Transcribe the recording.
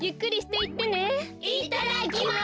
いただきます！